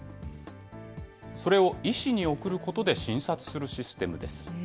それを医師に送ることで診察するシステムです。